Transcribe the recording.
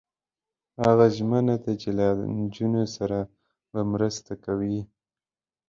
هغه ژمنه ده چې له نجونو سره به مرسته کوي.